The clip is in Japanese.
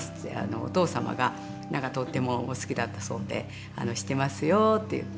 お父様がとてもお好きだったそうで「知ってますよ」って言って。